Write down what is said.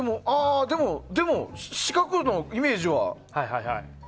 でも、四角のイメージは。